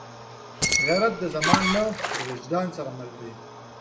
غیرت د زمان نه، د وجدان سره مل دی